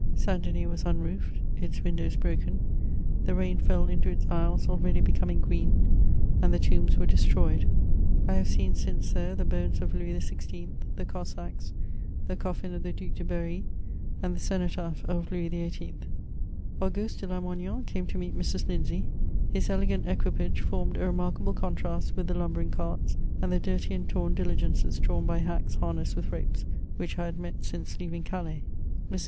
St. Denis was unroofed, its windows broken, the rain fell into its aisles already becoming green, and the tombs were destroyed ; I have since seen there the bones of Louis XVI., the Cossacks, the coffin of the Due de Berry, and the cenotaph of Louis XVIIL Auguste de Lamoignoncame to meet Mrs. Lindsay ; his elegant equipage formed a remarkable contrast with the lumbering carts, and the dirty and torn diligences drawn by hacks har nessed with ropes, which I had met since leaving Calais. Mrs.